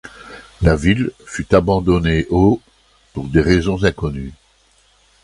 La ville fut abandonnée au pour des raisons inconnues.